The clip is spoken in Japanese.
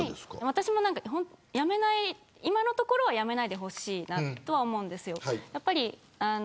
私も今のところは辞めないでほしいなと思います。